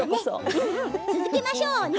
続けましょう。